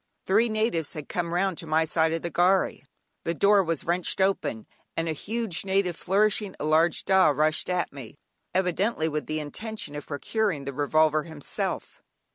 Three natives had come round to my side of the gharry, the door was wrenched open, and a huge native flourishing a large "dah" rushed at me, evidently with the intention of procuring the revolver himself.